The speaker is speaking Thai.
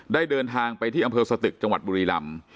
เดินทางไปที่อำเภอสตึกจังหวัดบุรีลำ